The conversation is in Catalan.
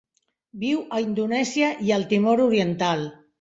Viu a Indonèsia i el Timor Oriental.